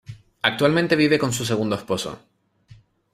Actualmente vive con su segundo esposo.